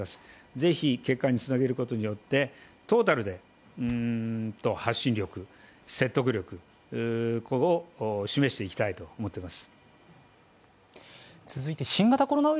ぜひ結果につなげることによって、トータルで発信力、説得力を示していきたいと思っています。